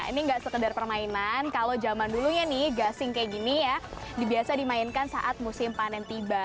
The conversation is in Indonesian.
ini nggak sekedar permainan kalau zaman dulunya nih gasing kayak gini ya dibiasa dimainkan saat musim panen tiba